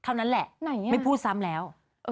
เท่านั้นแหละไม่พูดซ้ำแล้ว